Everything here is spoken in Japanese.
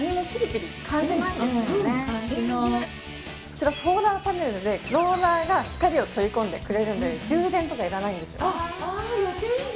こちらソーラーパネルでローラーが光を取り込んでくれるので充電とかいらないんです。